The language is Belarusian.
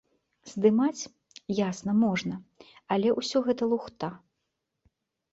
Здымаць, ясна, можна, але ўсё гэта лухта.